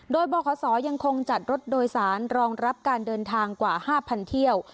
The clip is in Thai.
โดยบขยังคงจัดรถโดยสารรองรับการเดินทางกว่า๕๐๐เที่ยว